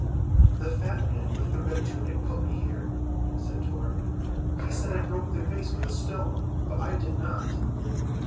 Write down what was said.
"The fat man with the red tunic put me here," said Tor. "He said I broke the vase with a stone, but I did not."